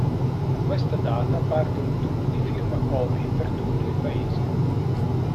Da questa data parte un tour di firma copie per tutto il Paese.